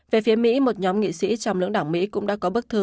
về phía mỹ một nhóm nghị sĩ trong lưỡng đảng mỹ cũng đã có bức thư